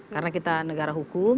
karena kita negara hukum